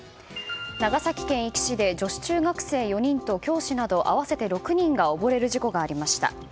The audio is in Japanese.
長崎県壱岐市で女子中学生４人と教師など合わせて６人が溺れる事故がありました。